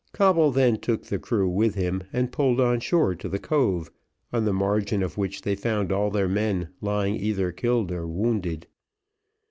Coble then took the crew with him and pulled on shore to the cove, on the margin of which they found all their men lying either killed or wounded.